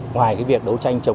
ngoài việc đấu tranh chống